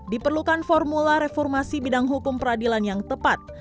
diperlukan formula reformasi bidang hukum peradilan yang tepat